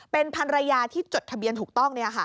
เป็นภรรยาที่จดทะเบียนถูกต้อง